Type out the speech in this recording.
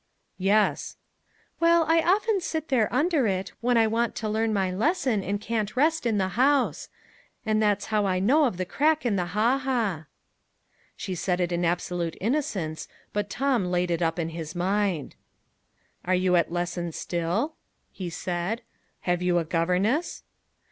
"Yes." "Well, I often sit there under it, when I want to learn my lesson, and can't rest in the house; and that's how I know of the crack in the ha ha." She said it in absolute innocence, but Tom laid it up in his mind. "Are you at lessons still?" he said. "Have you a governess?"